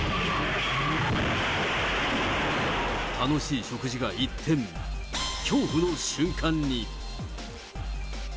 楽しい食事が一転、恐怖の瞬間に。